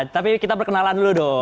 tapi kita perkenalan dulu dong